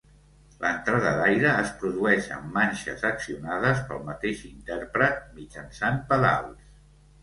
L'entrada d'aire es produeix amb manxes accionades pel mateix intèrpret mitjançant pedals.